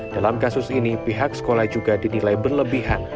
dalam kasus ini pihak sekolah juga dinilai berlebihan